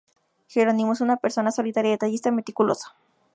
Jerónimo es una persona solitaria, detallista, meticuloso.